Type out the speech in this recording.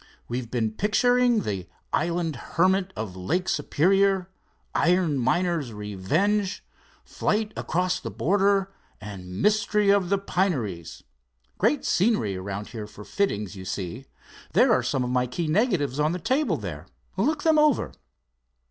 We've been picturing 'The Island Hermit of Lake Superior,' 'Iron Miners' Revenge,' 'Flight Across the Border,' and 'The Mystery of the Pineries.' Great scenery around here for fittings, you see. There are some of my key negatives on the table there, look them over."